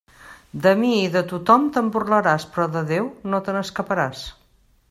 De mi i de tothom te'n burlaràs, però de Déu, no te n'escaparàs.